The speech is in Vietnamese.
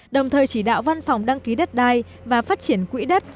đồng thời chỉ đạo văn phòng đăng ký đất đai và phát triển quỹ đất